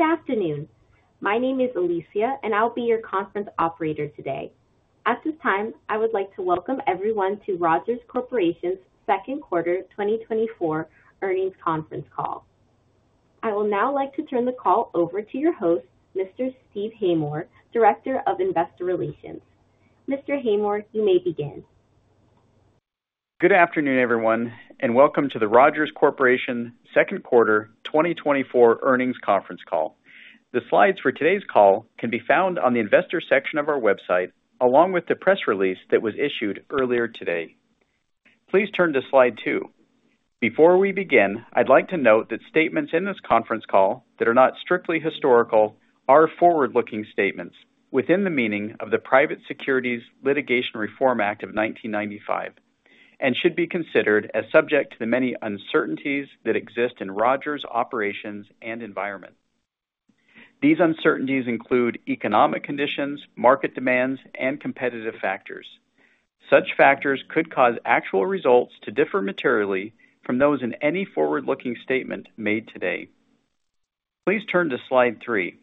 Good afternoon. My name is Alicia, and I'll be your conference operator today. At this time, I would like to welcome everyone to Rogers Corporation's Q2 2024 earnings conference call. I will now like to turn the call over to your host, Mr. Steve Haymore, Director of Investor Relations. Mr. Haymore, you may begin. Good afternoon, everyone, and welcome to the Rogers Corporation Q2 2024 earnings conference call. The slides for today's call can be found on the investor section of our website, along with the press release that was issued earlier today. Please turn to slide 2. Before we begin, I'd like to note that statements in this conference call that are not strictly historical are forward-looking statements within the meaning of the Private Securities Litigation Reform Act of 1995, and should be considered as subject to the many uncertainties that exist in Rogers' operations and environment. These uncertainties include economic conditions, market demands, and competitive factors. Such factors could cause actual results to differ materially from those in any forward-looking statement made today. Please turn to slide 3.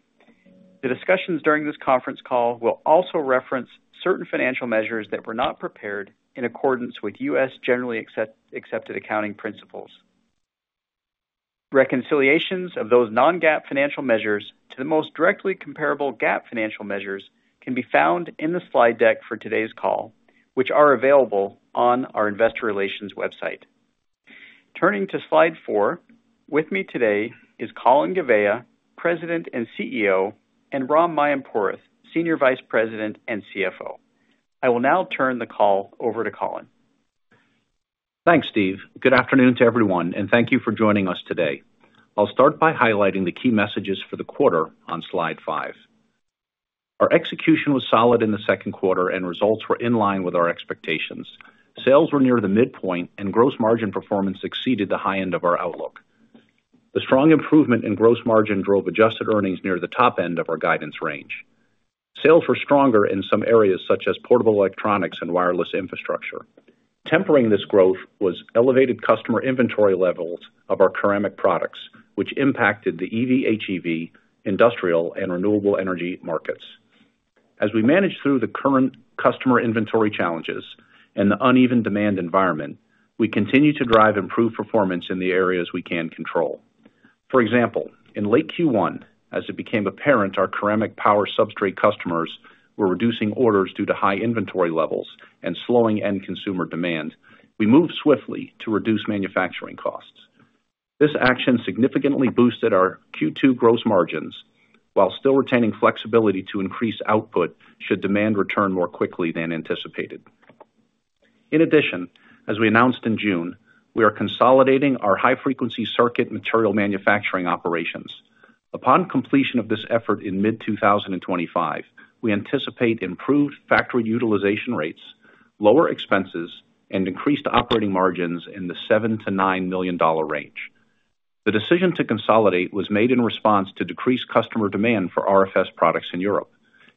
The discussions during this conference call will also reference certain financial measures that were not prepared in accordance with U.S. generally accepted accounting principles. Reconciliations of those non-GAAP financial measures to the most directly comparable GAAP financial measures can be found in the slide deck for today's call, which are available on our investor relations website. Turning to slide four, with me today is Colin Gouveia, President and CEO, and Ram Mayampurath, Senior Vice President and CFO. I will now turn the call over to Colin. Thanks, Steve. Good afternoon to everyone, and thank you for joining us today. I'll start by highlighting the key messages for the quarter on slide five. Our execution was solid in the Q2, and results were in line with our expectations. Sales were near the midpoint, and gross margin performance exceeded the high end of our outlook. The strong improvement in gross margin drove adjusted earnings near the top end of our guidance range. Sales were stronger in some areas, such as portable electronics and wireless infrastructure. Tempering this growth was elevated customer inventory levels of our ceramic products, which impacted the EV/HEV, industrial, and renewable energy markets. As we manage through the current customer inventory challenges and the uneven demand environment, we continue to drive improved performance in the areas we can control. For example, in late Q1, as it became apparent our ceramic power substrate customers were reducing orders due to high inventory levels and slowing end consumer demand, we moved swiftly to reduce manufacturing costs. This action significantly boosted our Q2 gross margins while still retaining flexibility to increase output should demand return more quickly than anticipated. In addition, as we announced in June, we are consolidating our high-frequency circuit material manufacturing operations. Upon completion of this effort in mid-2025, we anticipate improved factory utilization rates, lower expenses, and increased operating margins in the $7 million-$9 million range. The decision to consolidate was made in response to decreased customer demand for RFS products in Europe.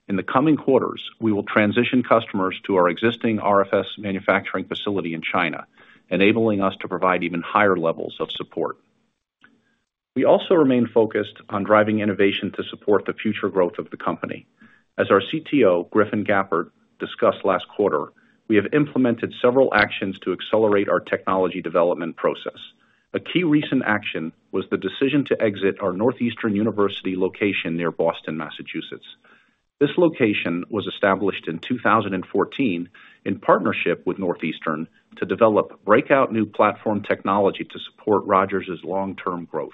In the coming quarters, we will transition customers to our existing RFS manufacturing facility in China, enabling us to provide even higher levels of support. We also remain focused on driving innovation to support the future growth of the company. As our CTO, Griffin Gappert, discussed last quarter, we have implemented several actions to accelerate our technology development process. A key recent action was the decision to exit our Northeastern University location near Boston, Massachusetts. This location was established in 2014 in partnership with Northeastern to develop breakout new platform technology to support Rogers' long-term growth.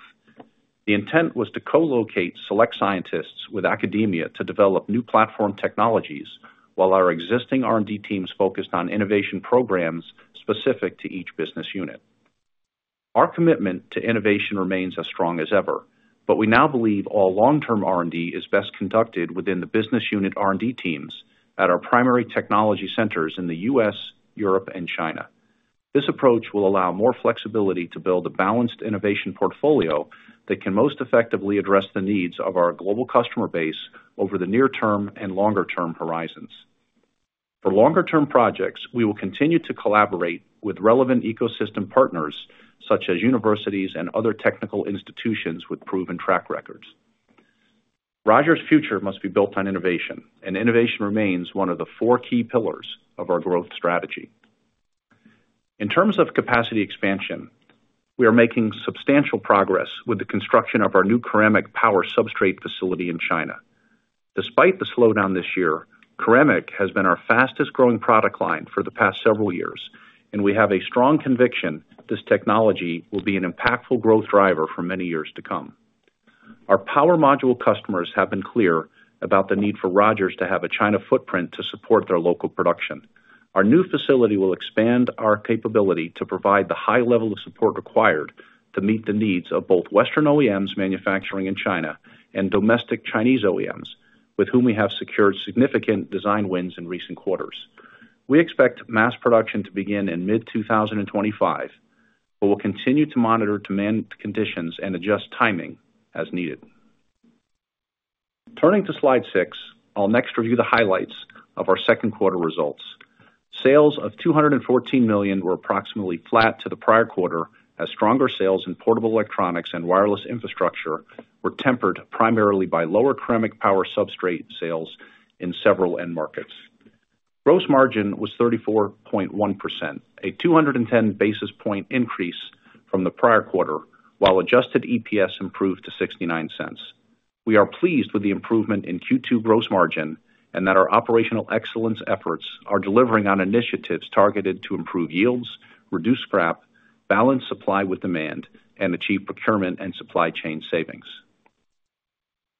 The intent was to co-locate select scientists with academia to develop new platform technologies, while our existing R&D teams focused on innovation programs specific to each business unit. Our commitment to innovation remains as strong as ever, but we now believe all long-term R&D is best conducted within the business unit R&D teams at our primary technology centers in the U.S., Europe, and China. This approach will allow more flexibility to build a balanced innovation portfolio that can most effectively address the needs of our global customer base over the near term and longer-term horizons. For longer-term projects, we will continue to collaborate with relevant ecosystem partners, such as universities and other technical institutions with proven track records. Rogers' future must be built on innovation, and innovation remains one of the four key pillars of our growth strategy. In terms of capacity expansion, we are making substantial progress with the construction of our new ceramic power substrate facility in China. Despite the slowdown this year, ceramic has been our fastest-growing product line for the past several years, and we have a strong conviction this technology will be an impactful growth driver for many years to come. Our power module customers have been clear about the need for Rogers to have a China footprint to support their local production. Our new facility will expand our capability to provide the high level of support required to meet the needs of both Western OEMs manufacturing in China and domestic Chinese OEMs, with whom we have secured significant design wins in recent quarters. We expect mass production to begin in mid-2025, but we'll continue to monitor demand conditions and adjust timing as needed. Turning to Slide 6, I'll next review the highlights of our Q2 results. Sales of $214 million were approximately flat to the prior quarter, as stronger sales in portable electronics and wireless infrastructure were tempered primarily by lower ceramic power substrate sales in several end markets. Gross margin was 34.1%, a 210 basis point increase from the prior quarter, while adjusted EPS improved to $0.69. We are pleased with the improvement in Q2 gross margin and that our operational excellence efforts are delivering on initiatives targeted to improve yields, reduce scrap, balance supply with demand, and achieve procurement and supply chain savings.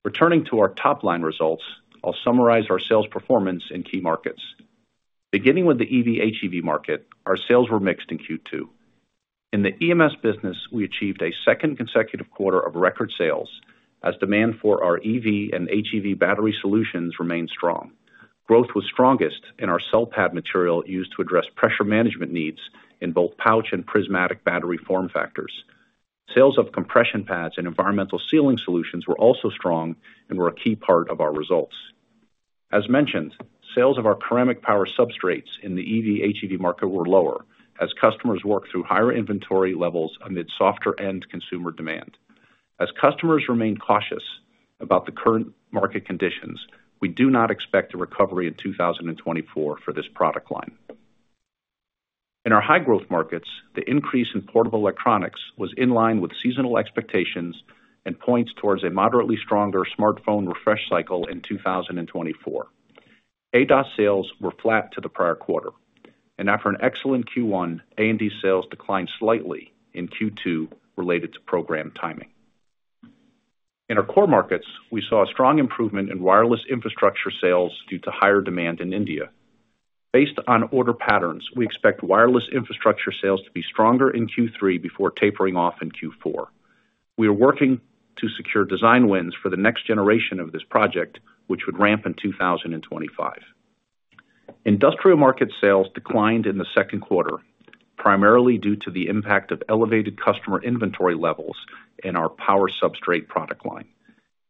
Returning to our top-line results, I'll summarize our sales performance in key markets. Beginning with the EV/HEV market, our sales were mixed in Q2. In the EMS business, we achieved a second consecutive quarter of record sales, as demand for our EV and HEV battery solutions remained strong. Growth was strongest in our cell pad material used to address pressure management needs in both pouch and prismatic battery form factors. Sales of compression pads and environmental sealing solutions were also strong and were a key part of our results. As mentioned, sales of our ceramic power substrates in the EV/HEV market were lower, as customers worked through higher inventory levels amid softer end consumer demand. As customers remain cautious about the current market conditions, we do not expect a recovery in 2024 for this product line. In our high-growth markets, the increase in portable electronics was in line with seasonal expectations and points towards a moderately stronger smartphone refresh cycle in 2024. ADAS sales were flat to the prior quarter, and after an excellent Q1, A&D sales declined slightly in Q2 related to program timing. In our core markets, we saw a strong improvement in wireless infrastructure sales due to higher demand in India. Based on order patterns, we expect wireless infrastructure sales to be stronger in Q3 before tapering off in Q4. We are working to secure design wins for the next generation of this project, which would ramp in 2025. Industrial market sales declined in the Q2, primarily due to the impact of elevated customer inventory levels in our power substrate product line.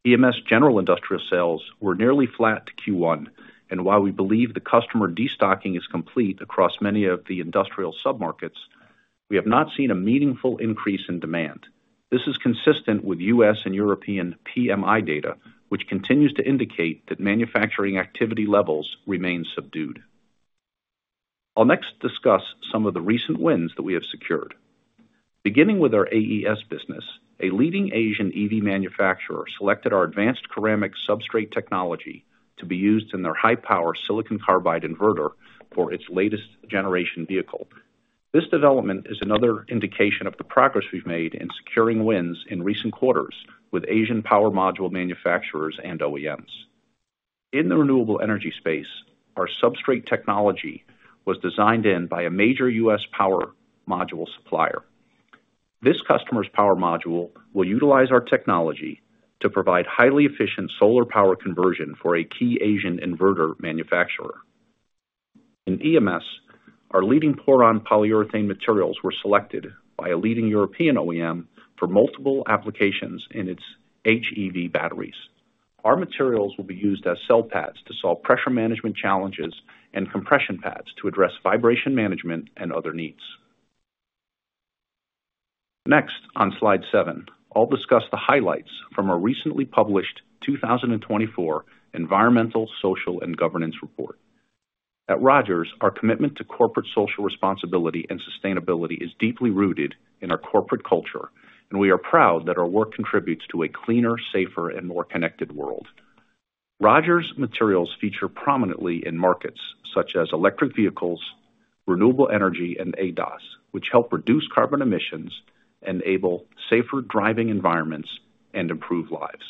EMS general industrial sales were nearly flat to Q1, and while we believe the customer destocking is complete across many of the industrial submarkets, we have not seen a meaningful increase in demand. This is consistent with U.S. and European PMI data, which continues to indicate that manufacturing activity levels remain subdued. I'll next discuss some of the recent wins that we have secured. Beginning with our AES business, a leading Asian EV manufacturer selected our advanced ceramic substrate technology to be used in their high-power silicon carbide inverter for its latest generation vehicle. This development is another indication of the progress we've made in securing wins in recent quarters with Asian power module manufacturers and OEMs. In the renewable energy space, our substrate technology was designed in by a major U.S. power module supplier. This customer's power module will utilize our technology to provide highly efficient solar power conversion for a key Asian inverter manufacturer. In EMS, our leading PORON polyurethane materials were selected by a leading European OEM for multiple applications in its HEV batteries. Our materials will be used as cell pads to solve pressure management challenges and compression pads to address vibration management and other needs. Next, on Slide 7, I'll discuss the highlights from our recently published 2024 Environmental, Social, and Governance Report. At Rogers, our commitment to corporate social responsibility and sustainability is deeply rooted in our corporate culture, and we are proud that our work contributes to a cleaner, safer, and more connected world. Rogers materials feature prominently in markets such as electric vehicles, renewable energy, and ADAS, which help reduce carbon emissions, enable safer driving environments, and improve lives.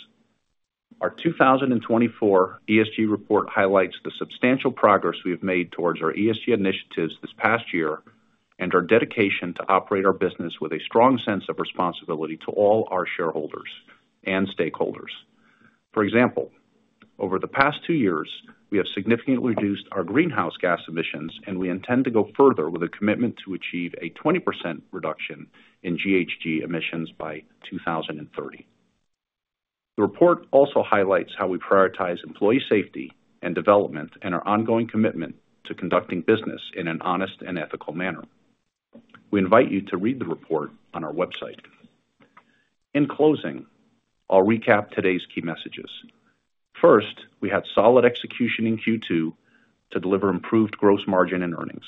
Our 2024 ESG report highlights the substantial progress we have made towards our ESG initiatives this past year, and our dedication to operate our business with a strong sense of responsibility to all our shareholders and stakeholders. For example, over the past two years, we have significantly reduced our greenhouse gas emissions, and we intend to go further with a commitment to achieve a 20% reduction in GHG emissions by 2030. The report also highlights how we prioritize employee safety and development and our ongoing commitment to conducting business in an honest and ethical manner. We invite you to read the report on our website. In closing, I'll recap today's key messages. First, we had solid execution in Q2 to deliver improved gross margin and earnings.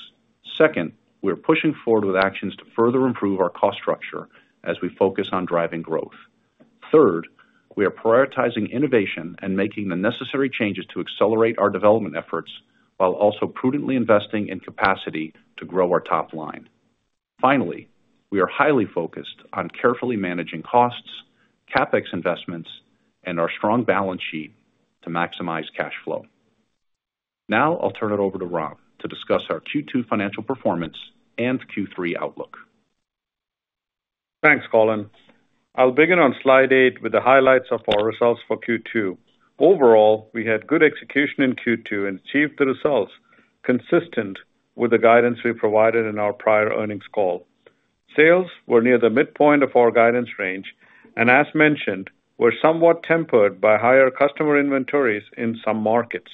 Second, we are pushing forward with actions to further improve our cost structure as we focus on driving growth. Third, we are prioritizing innovation and making the necessary changes to accelerate our development efforts, while also prudently investing in capacity to grow our top line. Finally, we are highly focused on carefully managing costs, CapEx investments, and our strong balance sheet to maximize cash flow. Now I'll turn it over to Ram to discuss our Q2 financial performance and Q3 outlook. Thanks, Colin. I'll begin on Slide 8 with the highlights of our results for Q2. Overall, we had good execution in Q2 and achieved the results consistent with the guidance we provided in our prior earnings call. Sales were near the midpoint of our guidance range, and as mentioned, were somewhat tempered by higher customer inventories in some markets.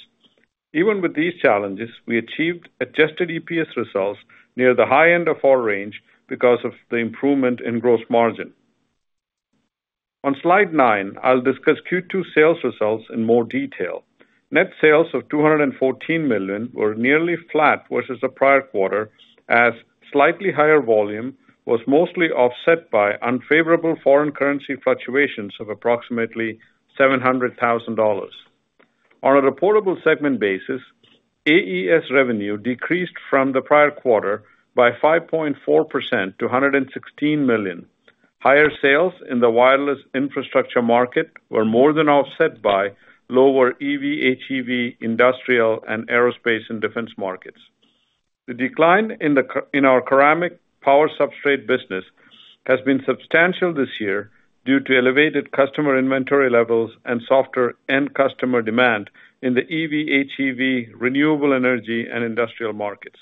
Even with these challenges, we achieved adjusted EPS results near the high end of our range because of the improvement in gross margin. On Slide 9, I'll discuss Q2 sales results in more detail. Net sales of $214 million were nearly flat versus the prior quarter, as slightly higher volume was mostly offset by unfavorable foreign currency fluctuations of approximately $700,000. On a reportable segment basis, AES revenue decreased from the prior quarter by 5.4% to $116 million. Higher sales in the wireless infrastructure market were more than offset by lower EV, HEV, industrial, and aerospace and defense markets. The decline in our ceramic power substrate business has been substantial this year due to elevated customer inventory levels and softer end customer demand in the EV, HEV, renewable energy, and industrial markets.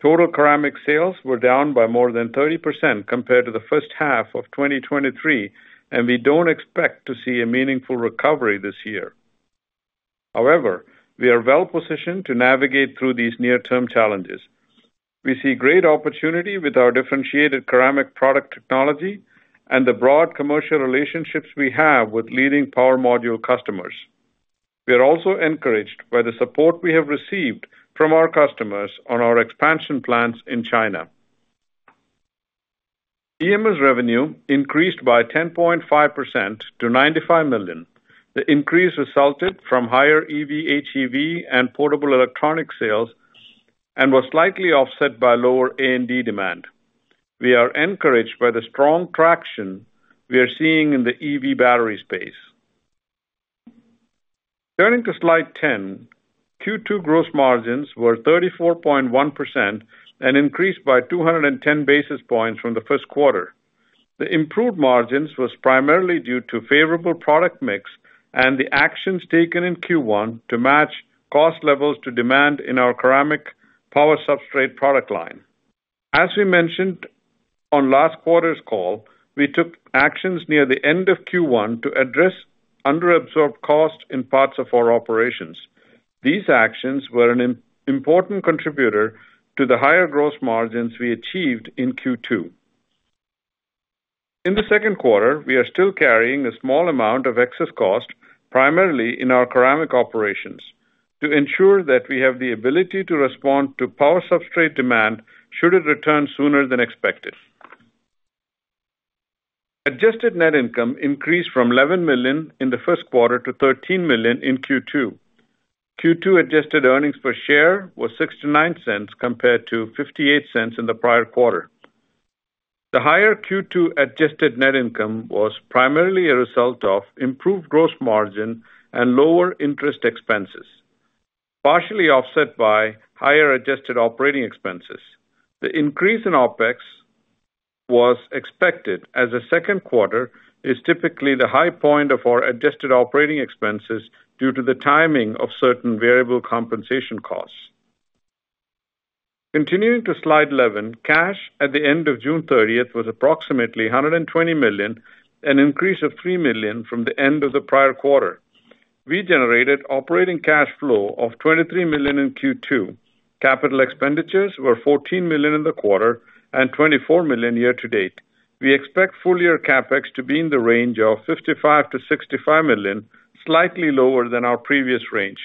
Total ceramic sales were down by more than 30% compared to the H1 of 2023, and we don't expect to see a meaningful recovery this year. However, we are well positioned to navigate through these near-term challenges. We see great opportunity with our differentiated ceramic product technology and the broad commercial relationships we have with leading power module customers. We are also encouraged by the support we have received from our customers on our expansion plans in China. EMS revenue increased by 10.5% to $95 million. The increase resulted from higher EV, HEV, and portable electronic sales, and was slightly offset by lower A&D demand. We are encouraged by the strong traction we are seeing in the EV battery space. Turning to slide 10, Q2 gross margins were 34.1% and increased by 210 basis points from the Q1. The improved margins was primarily due to favorable product mix and the actions taken in Q1 to match cost levels to demand in our ceramic power substrate product line. As we mentioned on last quarter's call, we took actions near the end of Q1 to address under-absorbed costs in parts of our operations. These actions were an important contributor to the higher gross margins we achieved in Q2. In the Q2, we are still carrying a small amount of excess cost, primarily in our ceramic operations, to ensure that we have the ability to respond to power substrate demand should it return sooner than expected. Adjusted net income increased from $11 million in the Q1 to $13 million in Q2. Q2 adjusted earnings per share was $0.69 compared to $0.58 in the prior quarter. The higher Q2 adjusted net income was primarily a result of improved gross margin and lower interest expenses, partially offset by higher adjusted operating expenses. The increase in OpEx was expected, as the Q2 is typically the high point of our adjusted operating expenses due to the timing of certain variable compensation costs. Continuing to slide 11, cash at the end of June thirtieth was approximately $120 million, an increase of $3 million from the end of the prior quarter. We generated operating cash flow of $23 million in Q2. Capital expenditures were $14 million in the quarter and $24 million year to date. We expect full year CapEx to be in the range of $55 million-$65 million, slightly lower than our previous range.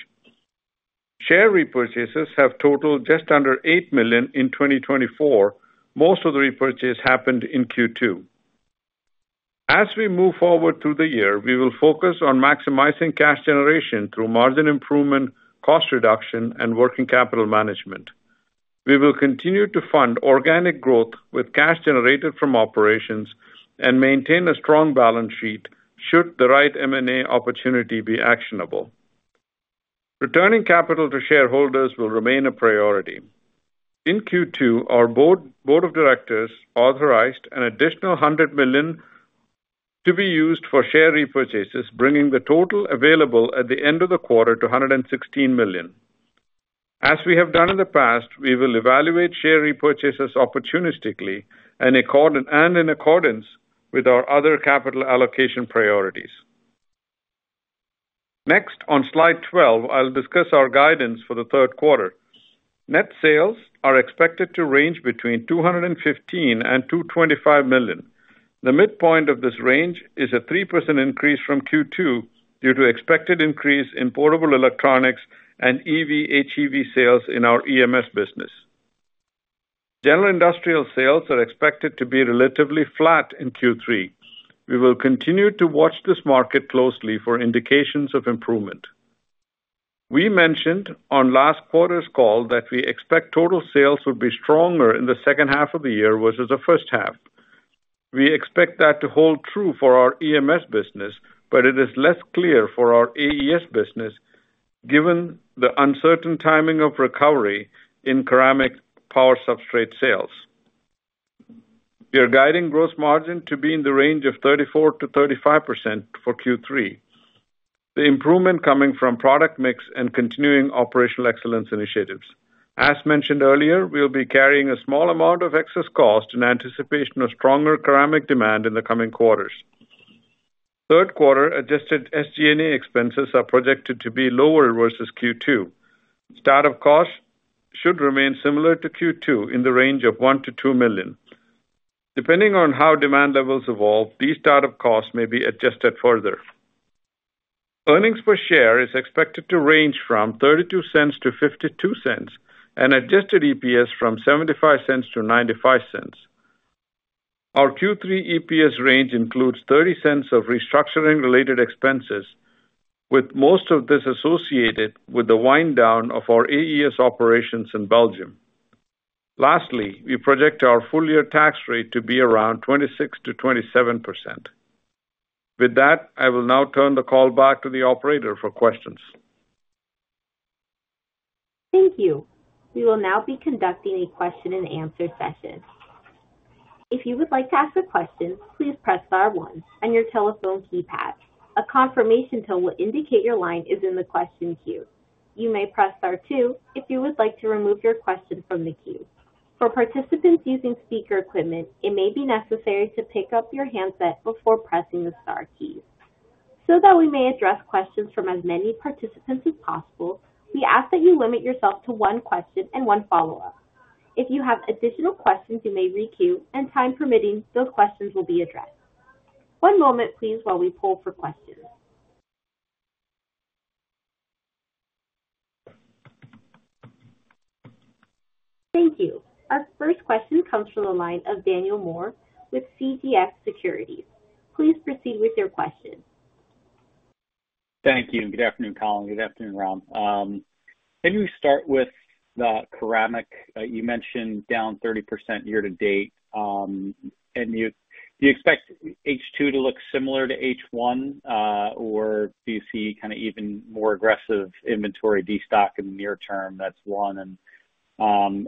Share repurchases have totaled just under $8 million in 2024. Most of the repurchase happened in Q2. As we move forward through the year, we will focus on maximizing cash generation through margin improvement, cost reduction, and working capital management. We will continue to fund organic growth with cash generated from operations and maintain a strong balance sheet should the right M&A opportunity be actionable. Returning capital to shareholders will remain a priority. In Q2, our board of directors authorized an additional $100 million to be used for share repurchases, bringing the total available at the end of the quarter to $116 million. As we have done in the past, we will evaluate share repurchases opportunistically and in accordance with our other capital allocation priorities. Next, on slide 12, I'll discuss our guidance for the Q3. Net sales are expected to range between $215 million and $225 million. The midpoint of this range is a 3% increase from Q2 due to expected increase in portable electronics and EV/HEV sales in our EMS business. General industrial sales are expected to be relatively flat in Q3. We will continue to watch this market closely for indications of improvement. We mentioned on last quarter's call that we expect total sales will be stronger in the H2 of the year versus the H1. We expect that to hold true for our EMS business, but it is less clear for our AES business, given the uncertain timing of recovery in ceramic power substrate sales. We are guiding gross margin to be in the range of 34%-35% for Q3.... The improvement coming from product mix and continuing operational excellence initiatives. As mentioned earlier, we'll be carrying a small amount of excess cost in anticipation of stronger ceramic demand in the coming quarters. Q3 adjusted SG&A expenses are projected to be lower versus Q2. Startup costs should remain similar to Q2 in the range of $1 million-$2 million. Depending on how demand levels evolve, these startup costs may be adjusted further. Earnings per share is expected to range from $0.32-$0.52, and adjusted EPS from $0.75-$0.95. Our Q3 EPS range includes $0.30 of restructuring related expenses, with most of this associated with the wind down of our AES operations in Belgium. Lastly, we project our full year tax rate to be around 26%-27%. With that, I will now turn the call back to the operator for questions. Thank you. We will now be conducting a question-and-answer session. If you would like to ask a question, please press star one on your telephone keypad. A confirmation tone will indicate your line is in the question queue. You may press star two if you would like to remove your question from the queue. For participants using speaker equipment, it may be necessary to pick up your handset before pressing the star key. So that we may address questions from as many participants as possible, we ask that you limit yourself to one question and one follow-up. If you have additional questions, you may re-queue, and time permitting, those questions will be addressed. One moment, please, while we poll for questions. Thank you. Our first question comes from the line of Daniel Moore with CJS Securities. Please proceed with your question. Thank you, and good afternoon, Colin. Good afternoon, Ram. Let me start with the ceramic. You mentioned down 30% year to date, and do you expect H2 to look similar to H1, or do you see kind of even more aggressive inventory destock in the near term? That's one. And,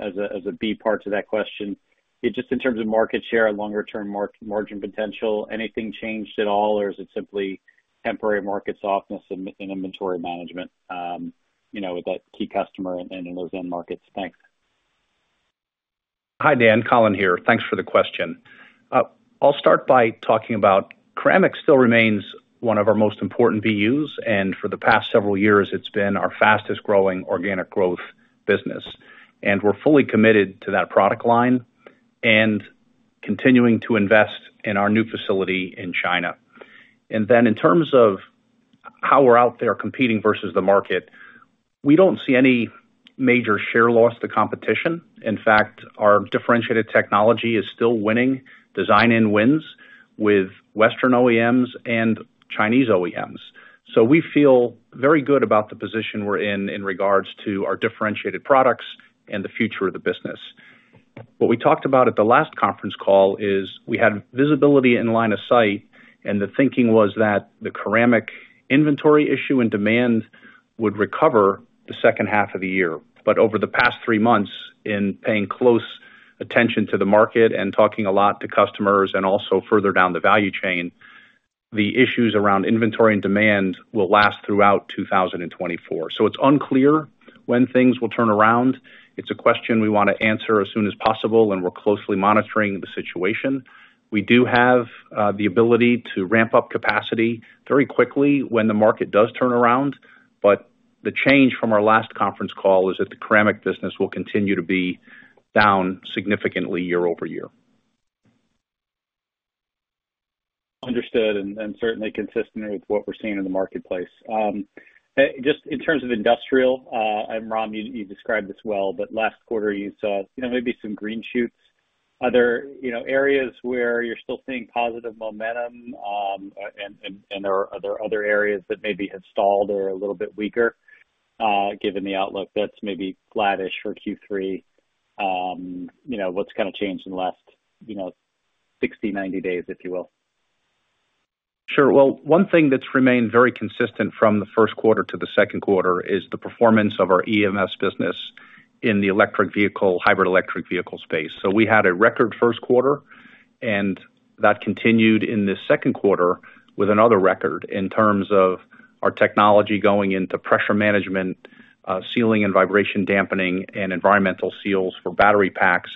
as a B part to that question, just in terms of market share and longer-term margin potential, anything changed at all, or is it simply temporary market softness and inventory management, you know, with that key customer and in those end markets? Thanks. Hi, Dan. Colin here. Thanks for the question. I'll start by talking about ceramic still remains one of our most important BUs, and for the past several years, it's been our fastest growing organic growth business. And we're fully committed to that product line and continuing to invest in our new facility in China. And then in terms of how we're out there competing versus the market, we don't see any major share loss to competition. In fact, our differentiated technology is still winning, design wins with Western OEMs and Chinese OEMs. So we feel very good about the position we're in, in regards to our differentiated products and the future of the business. What we talked about at the last conference call is we had visibility in line of sight, and the thinking was that the ceramic inventory issue and demand would recover the H2 of the year. But over the past three months, in paying close attention to the market and talking a lot to customers and also further down the value chain, the issues around inventory and demand will last throughout 2024. So it's unclear when things will turn around. It's a question we want to answer as soon as possible, and we're closely monitoring the situation. We do have the ability to ramp up capacity very quickly when the market does turn around, but the change from our last conference call is that the ceramic business will continue to be down significantly year-over-year. Understood, and certainly consistent with what we're seeing in the marketplace. Just in terms of industrial, and Ram, you described this well, but last quarter, you saw, you know, maybe some green shoots. Are there, you know, areas where you're still seeing positive momentum, and are there other areas that maybe have stalled or are a little bit weaker, given the outlook that's maybe flattish for Q3, you know, what's kind of changed in the last, you know, 60, 90 days, if you will? Sure. Well, one thing that's remained very consistent from the Q1 to the Q2 is the performance of our EMS business in the electric vehicle, hybrid electric vehicle space. So we had a record Q1, and that continued in the Q2 with another record in terms of our technology going into pressure management, sealing and vibration dampening and environmental seals for battery packs,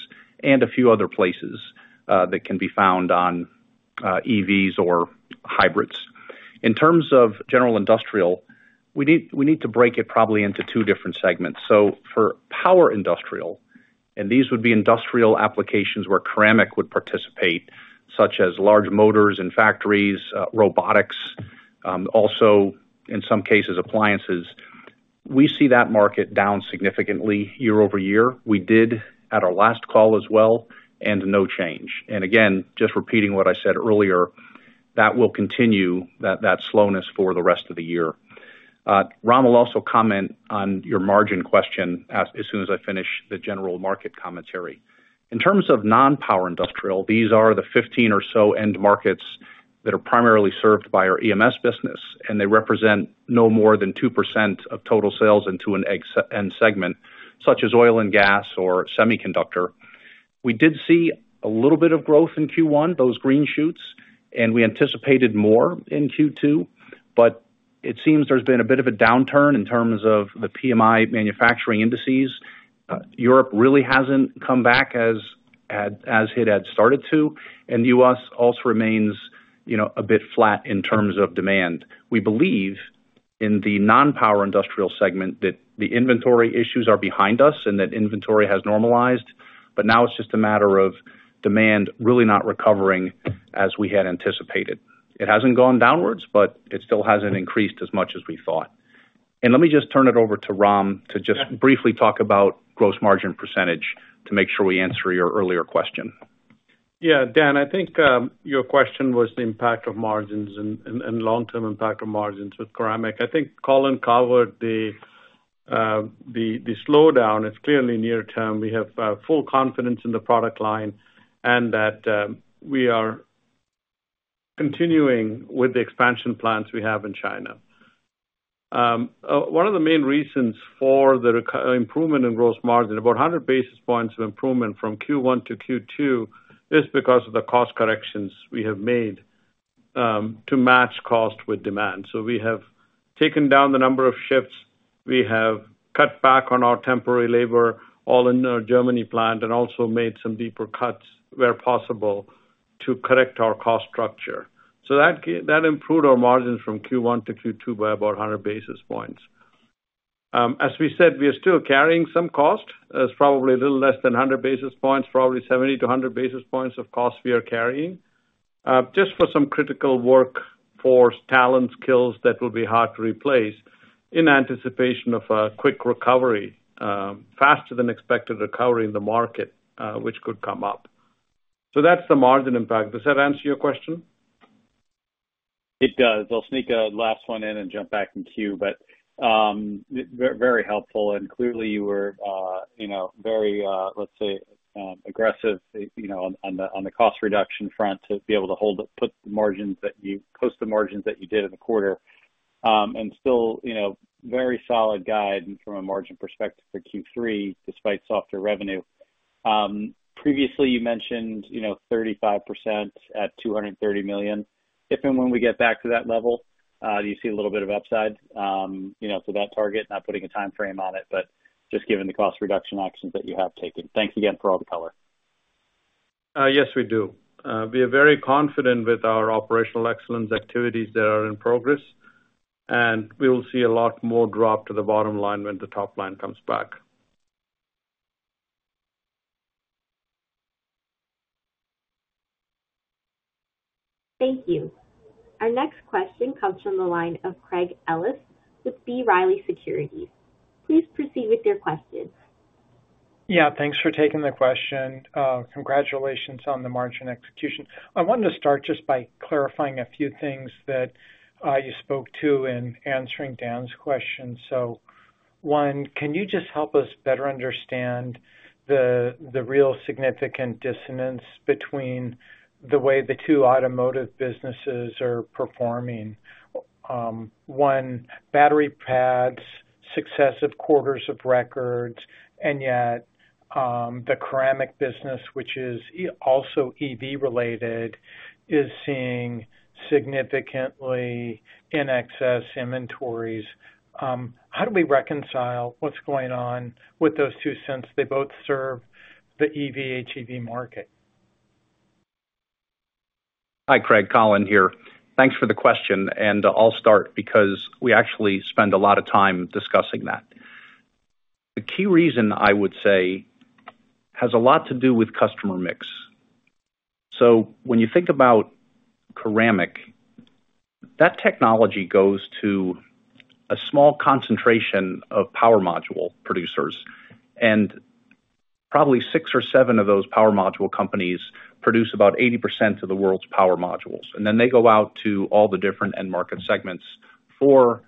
and a few other places that can be found on EVs or hybrids. In terms of general industrial, we need to break it probably into two different segments. So for power industrial, and these would be industrial applications where ceramic would participate, such as large motors and factories, robotics, also, in some cases, appliances. We see that market down significantly year-over-year. We did at our last call as well, and no change. Again, just repeating what I said earlier, that will continue, that, that slowness for the rest of the year. Ram will also comment on your margin question as soon as I finish the general market commentary. In terms of non-power industrial, these are the 15 or so end markets that are primarily served by our EMS business, and they represent no more than 2% of total sales into an ex-end segment, such as oil and gas or semiconductor. We did see a little bit of growth in Q1, those green shoots, and we anticipated more in Q2, but it seems there's been a bit of a downturn in terms of the PMI manufacturing indices. Europe really hasn't come back as it had started to, and U.S. also remains, you know, a bit flat in terms of demand. We believe in the non-power industrial segment, that the inventory issues are behind us and that inventory has normalized, but now it's just a matter of demand really not recovering as we had anticipated. It hasn't gone downwards, but it still hasn't increased as much as we thought. Let me just turn it over to Ram to just briefly talk about gross margin percentage, to make sure we answer your earlier question. Yeah, Dan, I think your question was the impact of margins and long-term impact of margins with ceramic. I think Colin covered the slowdown. It's clearly near term. We have full confidence in the product line and that we are continuing with the expansion plans we have in China. One of the main reasons for the improvement in gross margin, about 100 basis points of improvement from Q1 to Q2, is because of the cost corrections we have made to match cost with demand. So we have taken down the number of shifts, we have cut back on our temporary labor, all in our Germany plant, and also made some deeper cuts where possible to correct our cost structure. So that improved our margins from Q1 to Q2 by about 100 basis points. As we said, we are still carrying some cost. It's probably a little less than 100 basis points, probably 70-100 basis points of cost we are carrying, just for some critical workforce talent skills that will be hard to replace in anticipation of a quick recovery, faster than expected recovery in the market, which could come up. So that's the margin impact. Does that answer your question? It does. I'll sneak a last one in and jump back in queue, but, very helpful, and clearly you were, you know, very, let's say, aggressive, you know, on the, on the cost reduction front to be able to hold it, post the margins that you did in the quarter. And still, you know, very solid guide from a margin perspective for Q3, despite softer revenue. Previously you mentioned, you know, 35% at $230 million. If and when we get back to that level, do you see a little bit of upside, you know, to that target, not putting a time frame on it, but just given the cost reduction actions that you have taken? Thanks again for all the color. Yes, we do. We are very confident with our operational excellence activities that are in progress, and we will see a lot more drop to the bottom line when the top line comes back. Thank you. Our next question comes from the line of Craig Ellis with B. Riley Securities. Please proceed with your question. Yeah, thanks for taking the question. Congratulations on the margin execution. I wanted to start just by clarifying a few things that you spoke to in answering Dan's question. So one, can you just help us better understand the real significant dissonance between the way the two automotive businesses are performing? One, battery pads, successive quarters of records, and yet, the ceramic business, which is also EV related, is seeing significantly in excess inventories. How do we reconcile what's going on with those two since they both serve the EV/HEV market? Hi, Craig, Colin here. Thanks for the question, and I'll start because we actually spend a lot of time discussing that. The key reason, I would say, has a lot to do with customer mix. So when you think about ceramic, that technology goes to a small concentration of power module producers, and probably 6 or 7 of those power module companies produce about 80% of the world's power modules. And then they go out to all the different end market segments for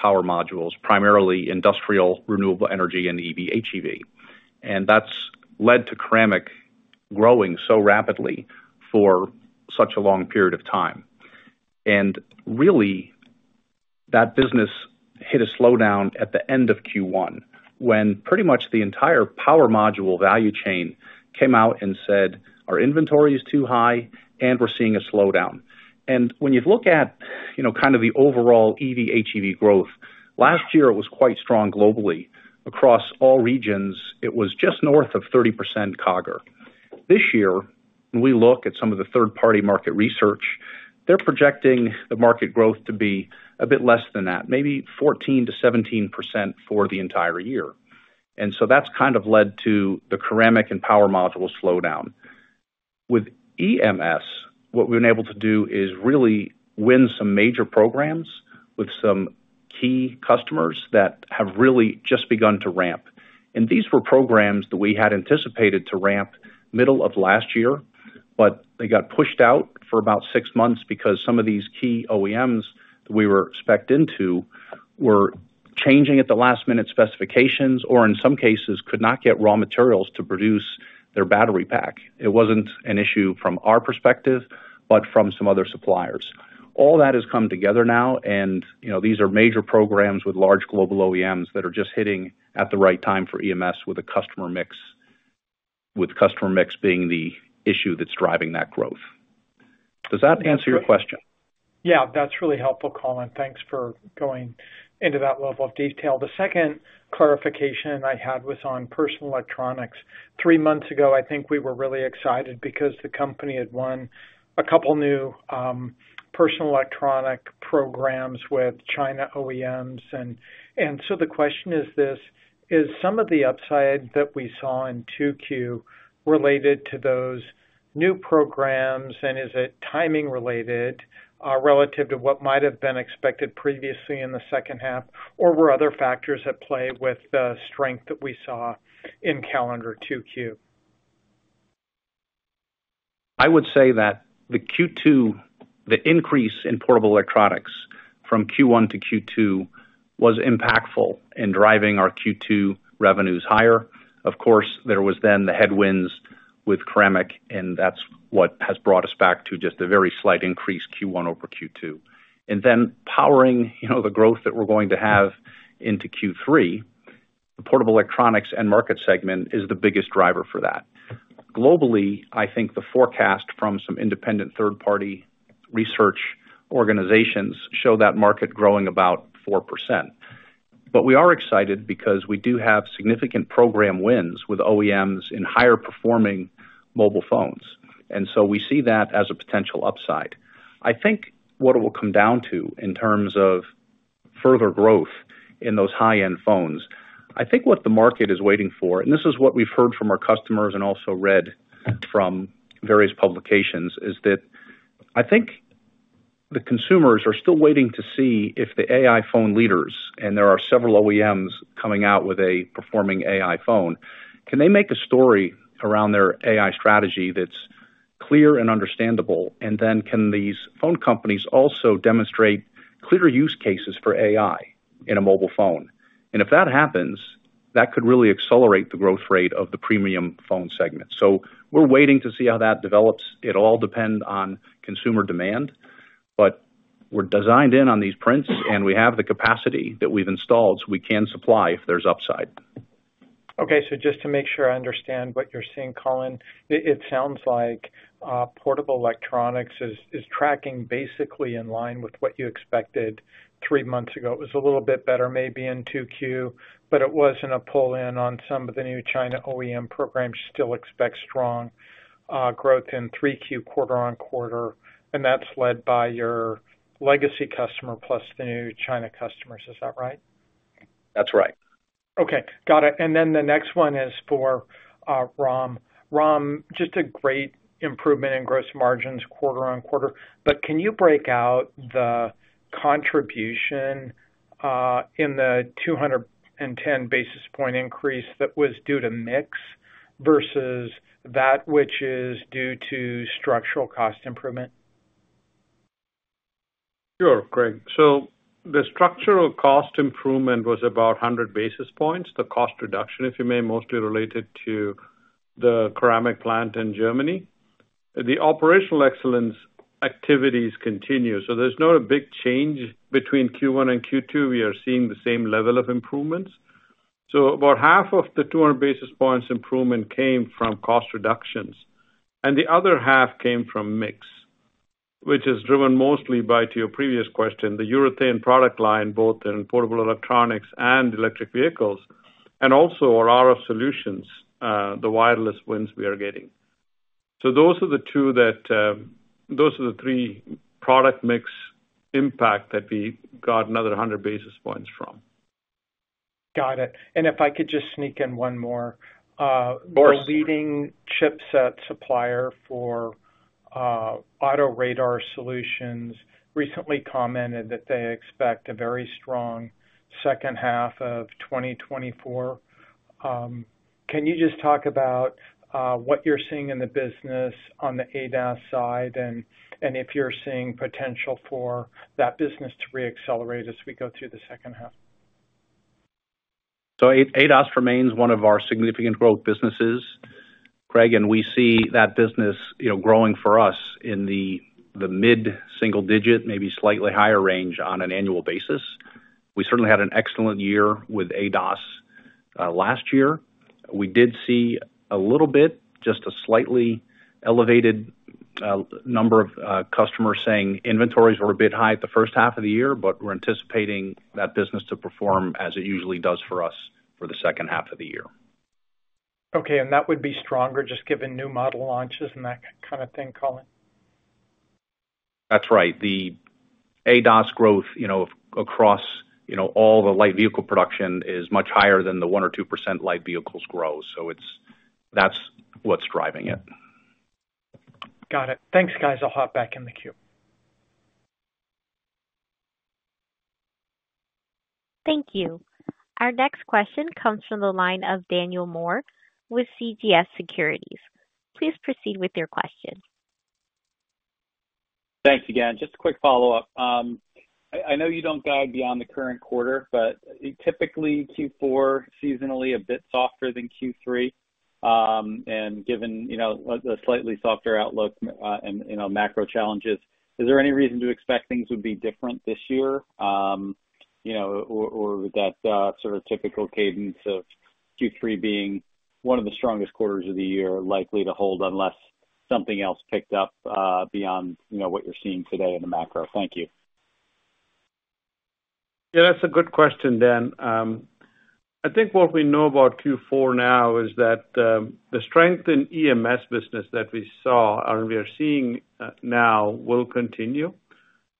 power modules, primarily industrial, renewable energy and EV/HEV. And that's led to ceramic growing so rapidly for such a long period of time. And really, that business hit a slowdown at the end of Q1, when pretty much the entire power module value chain came out and said, "Our inventory is too high, and we're seeing a slowdown." And when you look at, you know, kind of the overall EV/HEV growth, last year it was quite strong globally. Across all regions, it was just north of 30% CAGR. This year, when we look at some of the third-party market research, they're projecting the market growth to be a bit less than that, maybe 14%-17% for the entire year. And so that's kind of led to the ceramic and power module slowdown. With EMS, what we've been able to do is really win some major programs with some key customers that have really just begun to ramp. And these were programs that we had anticipated to ramp middle of last year, but they got pushed out for about six months because some of these key OEMs that we were spec'd into were changing at the last minute specifications, or in some cases, could not get raw materials to produce their battery pack. It wasn't an issue from our perspective, but from some other suppliers.... All that has come together now, and, you know, these are major programs with large global OEMs that are just hitting at the right time for EMS with a customer mix, with customer mix being the issue that's driving that growth. Does that answer your question? Yeah, that's really helpful, Colin. Thanks for going into that level of detail. The second clarification I had was on personal electronics. Three months ago, I think we were really excited because the company had won a couple new personal electronic programs with China OEMs. And so the question is this: Is some of the upside that we saw in 2Q related to those new programs, and is it timing related, relative to what might have been expected previously in the H2, or were other factors at play with the strength that we saw in calendar 2Q? I would say that the Q2, the increase in portable electronics from Q1 to Q2 was impactful in driving our Q2 revenues higher. Of course, there was then the headwinds with ceramic, and that's what has brought us back to just a very slight increase Q1 over Q2. And then powering, you know, the growth that we're going to have into Q3, the portable electronics and market segment is the biggest driver for that. Globally, I think the forecast from some independent third-party research organizations show that market growing about 4%. But we are excited because we do have significant program wins with OEMs in higher performing mobile phones, and so we see that as a potential upside. I think what it will come down to in terms of further growth in those high-end phones, I think what the market is waiting for, and this is what we've heard from our customers and also read from various publications, is that I think the consumers are still waiting to see if the AI phone leaders, and there are several OEMs coming out with a performing AI phone, can they make a story around their AI strategy that's clear and understandable? And then, can these phone companies also demonstrate clear use cases for AI in a mobile phone? And if that happens, that could really accelerate the growth rate of the premium phone segment. So we're waiting to see how that develops. It all depends on consumer demand, but we're designed in on these prints, and we have the capacity that we've installed, so we can supply if there's upside. Okay, so just to make sure I understand what you're seeing, Colin, it sounds like portable electronics is tracking basically in line with what you expected three months ago. It was a little bit better, maybe in 2Q, but it wasn't a pull-in on some of the new China OEM programs. Still expect strong growth in 3Q quarter-over-quarter, and that's led by your legacy customer plus the new China customers. Is that right? That's right. Okay, got it. And then the next one is for Ram. Ram, just a great improvement in gross margins quarter-over-quarter, but can you break out the contribution in the 210 basis point increase that was due to mix versus that which is due to structural cost improvement? Sure, Greg. So the structural cost improvement was about 100 basis points, the cost reduction, if you may, mostly related to the ceramic plant in Germany. The operational excellence activities continue, so there's not a big change between Q1 and Q2. We are seeing the same level of improvements. So about half of the 200 basis points improvement came from cost reductions, and the other half came from mix, which is driven mostly by, to your previous question, the urethane product line, both in portable electronics and electric vehicles, and also our RF solutions, the wireless wins we are getting. So those are the two that, those are the three product mix impact that we got another 100 basis points from. Got it. And if I could just sneak in one more. Of course. The leading chipset supplier for auto radar solutions recently commented that they expect a very strong H2 of 2024. Can you just talk about what you're seeing in the business on the ADAS side and if you're seeing potential for that business to reaccelerate as we go through the H2? So ADAS remains one of our significant growth businesses, Greg, and we see that business, you know, growing for us in the mid-single digit, maybe slightly higher range on an annual basis. We certainly had an excellent year with ADAS last year. We did see a little bit, just a slightly elevated number of customers saying inventories were a bit high at the H1 of the year, but we're anticipating that business to perform as it usually does for us for the H2 of the year. Okay, and that would be stronger, just given new model launches and that kind of thing, Colin? That's right. The ADAS growth, you know, across, you know, all the light vehicle production is much higher than the 1% or 2% light vehicles grow. So it's—that's what's driving it. Got it. Thanks, guys. I'll hop back in the queue. Thank you. Our next question comes from the line of Daniel Moore with CJS Securities. Please proceed with your question. Thanks again. Just a quick follow-up. I know you don't guide beyond the current quarter, but typically, Q4 seasonally a bit softer than Q3. And given, you know, a slightly softer outlook, and, you know, macro challenges, is there any reason to expect things would be different this year? You know, or would that sort of typical cadence of Q3 being one of the strongest quarters of the year likely to hold unless something else picked up beyond, you know, what you're seeing today in the macro? Thank you. Yeah, that's a good question, Dan. I think what we know about Q4 now is that the strength in EMS business that we saw, and we are seeing now, will continue.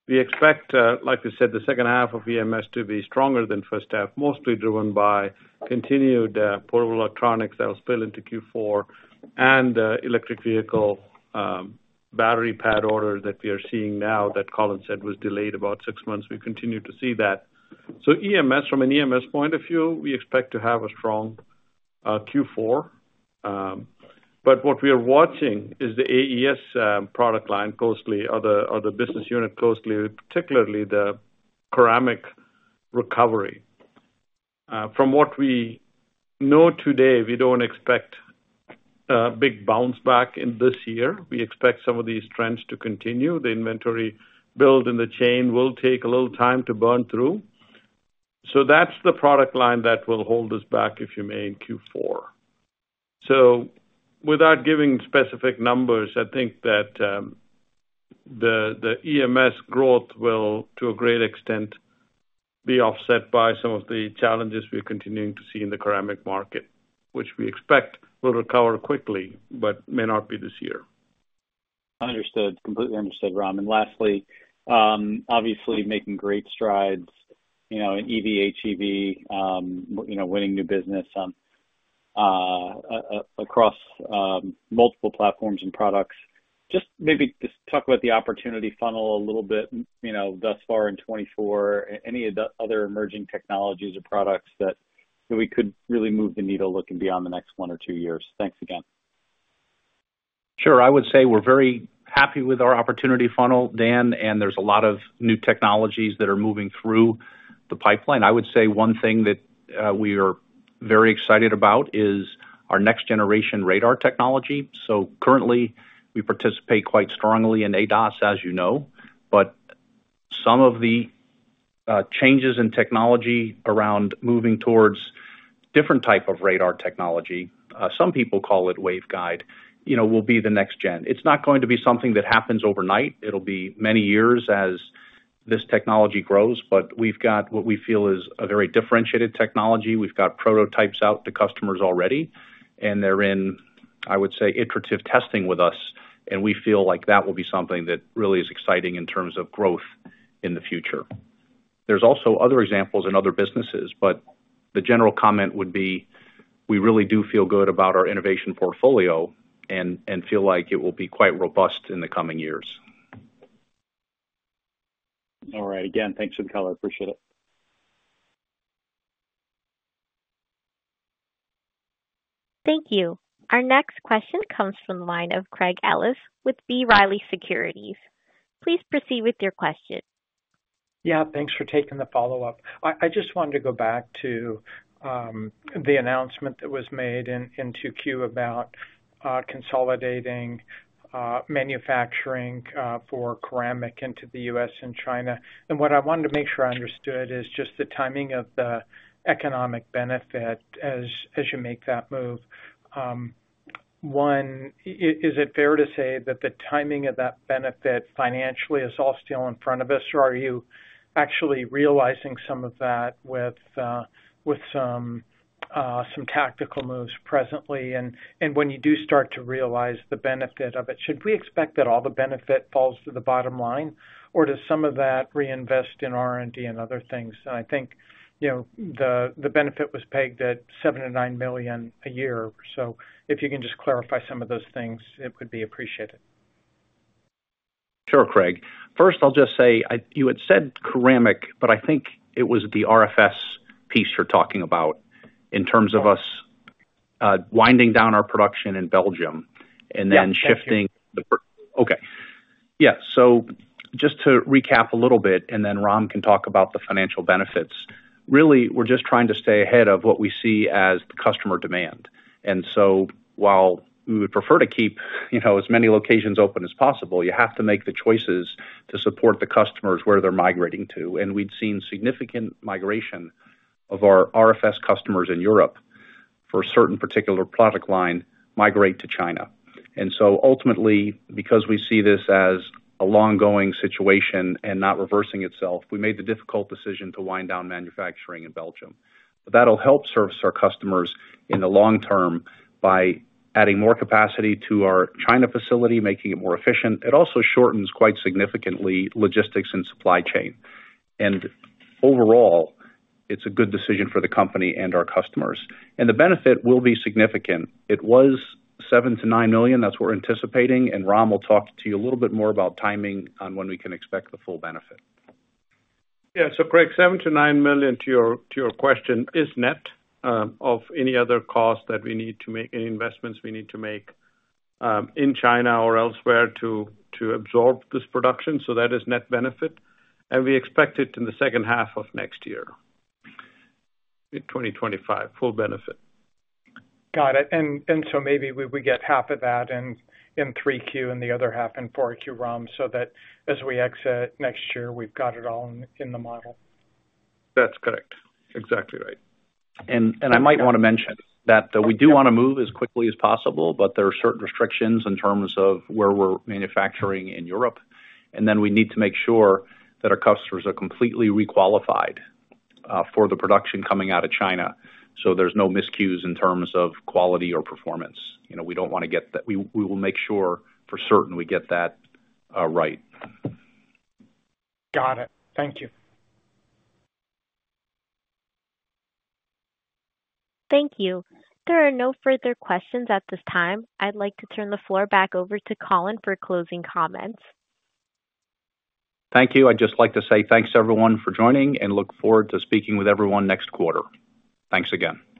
We expect, like you said, the H2 of EMS to be stronger than H1, mostly driven by continued portable electronics that will spill into Q4, and electric vehicle battery pad orders that we are seeing now, that Colin said was delayed about six months. We continue to see that. So EMS, from an EMS point of view, we expect to have a strong Q4. But what we are watching is the AES product line closely, or the business unit closely, particularly the ceramic recovery. From what we know today, we don't expect big bounce back in this year. We expect some of these trends to continue. The inventory build in the chain will take a little time to burn through. So that's the product line that will hold us back, if you may, in Q4. So without giving specific numbers, I think that the EMS growth will, to a great extent, be offset by some of the challenges we're continuing to see in the ceramic market, which we expect will recover quickly, but may not be this year. Understood. Completely understood, Ram. Lastly, obviously making great strides, you know, in EV/HEV, you know, winning new business, across multiple platforms and products. Just maybe just talk about the opportunity funnel a little bit, you know, thus far in 2024. Any other emerging technologies or products that we could really move the needle, looking beyond the next one or two years? Thanks again. Sure. I would say we're very happy with our opportunity funnel, Dan, and there's a lot of new technologies that are moving through the pipeline. I would say one thing that we are very excited about is our next generation radar technology. So currently, we participate quite strongly in ADAS, as you know, but some of the changes in technology around moving towards different type of radar technology, some people call it waveguide, you know, will be the next gen. It's not going to be something that happens overnight. It'll be many years as this technology grows, but we've got what we feel is a very differentiated technology. We've got prototypes out to customers already, and they're in, I would say, iterative testing with us, and we feel like that will be something that really is exciting in terms of growth in the future. There's also other examples in other businesses, but the general comment would be, we really do feel good about our innovation portfolio and, and feel like it will be quite robust in the coming years. All right. Again, thanks for the color. I appreciate it. Thank you. Our next question comes from the line of Craig Ellis with B. Riley Securities. Please proceed with your question. Yeah, thanks for taking the follow-up. I just wanted to go back to the announcement that was made in Q2 about consolidating manufacturing for ceramic into the U.S. and China. And what I wanted to make sure I understood is just the timing of the economic benefit as you make that move. One, is it fair to say that the timing of that benefit financially is all still in front of us, or are you actually realizing some of that with some tactical moves presently? And when you do start to realize the benefit of it, should we expect that all the benefit falls to the bottom line, or does some of that reinvest in R&D and other things? I think, you know, the benefit was pegged at $7 million-$9 million a year. If you can just clarify some of those things, it would be appreciated. Sure, Craig. First, I'll just say you had said ceramic, but I think it was the RFS piece you're talking about in terms of us winding down our production in Belgium and then- Yeah. Okay. Yeah. So just to recap a little bit, and then Ram can talk about the financial benefits. Really, we're just trying to stay ahead of what we see as customer demand. And so while we would prefer to keep, you know, as many locations open as possible, you have to make the choices to support the customers where they're migrating to. And we've seen significant migration of our RFS customers in Europe, for a certain particular product line, migrate to China. And so ultimately, because we see this as a long-going situation and not reversing itself, we made the difficult decision to wind down manufacturing in Belgium. But that'll help service our customers in the long term by adding more capacity to our China facility, making it more efficient. It also shortens, quite significantly, logistics and supply chain. Overall, it's a good decision for the company and our customers. The benefit will be significant. It was $7 million-$9 million, that's what we're anticipating, and Ram will talk to you a little bit more about timing on when we can expect the full benefit. Yeah. So Craig, $7 million-$9 million, to your, to your question, is net of any other costs that we need to make, any investments we need to make, in China or elsewhere to, to absorb this production, so that is net benefit, and we expect it in the H2 of next year. In 2025, full benefit. Got it. And so maybe we get half of that in Q3 and the other half in Q4, Ram, so that as we exit next year, we've got it all in the model. That's correct. Exactly right. I might wanna mention that we do wanna move as quickly as possible, but there are certain restrictions in terms of where we're manufacturing in Europe. Then we need to make sure that our customers are completely requalified for the production coming out of China, so there's no miscues in terms of quality or performance. You know, we don't wanna get that. We will make sure, for certain, we get that right. Got it. Thank you. Thank you. There are no further questions at this time. I'd like to turn the floor back over to Colin for closing comments. Thank you. I'd just like to say thanks to everyone for joining, and look forward to speaking with everyone next quarter. Thanks again.